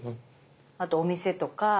あとお店とか。